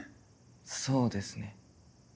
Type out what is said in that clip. そうですね。